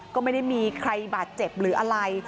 ก็ไม่ได้มีใครบาดเจ็บหรืออะไร